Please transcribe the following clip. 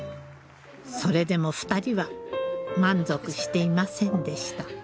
それでも２人は満足していませんでした。